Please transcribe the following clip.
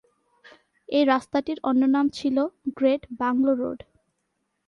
এই রাস্তাটির অন্য নাম ছিল গ্রেট বাংলো রোড।